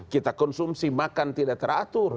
kita konsumsi makan tidak teratur